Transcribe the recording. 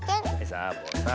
サボさん。